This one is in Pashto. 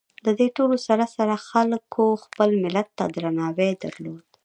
د دې ټولو سره سره خلکو خپل ملت ته درناوي درلود.